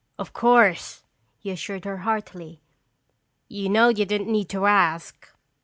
"Of course," he assured her heartily. "You know you didn't need to ask."